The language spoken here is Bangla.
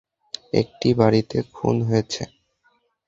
একটি বাড়িতে খুন হয়েছে।